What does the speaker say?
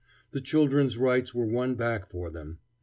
The children's rights were won back for them.